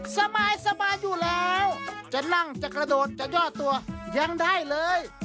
สบายอยู่แล้วจะนั่งจะกระโดดจะย่อตัวยังได้เลย